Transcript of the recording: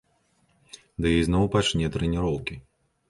Ды ізноў пачне трэніроўкі.